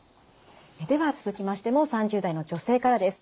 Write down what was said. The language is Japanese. では続きましても３０代の女性からです。